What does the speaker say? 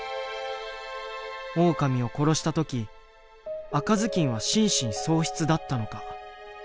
オオカミを殺した時赤ずきんは心神喪失だったのか。